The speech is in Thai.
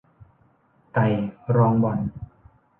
ไก่รองบ่อน